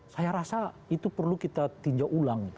saya rasa itu perlu kita tinjau ulang